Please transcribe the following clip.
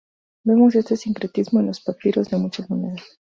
Vemos este sincretismo en los papiros de muchas maneras.